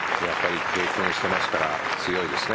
経験していますから強いですね